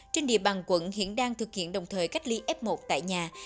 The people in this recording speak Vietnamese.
trên địa bàn quận hiện đang thực hiện đồng thời cách ly f một tại nhà